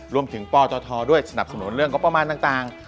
รวมถึงปตด้วยสนับสนุนเรื่องก็ประมาณต่าง